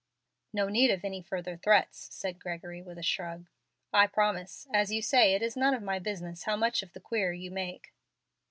"No need of any further threats," said Gregory, with a shrug. "I promise. As you say, it is none of my business how much of the 'queer' you make."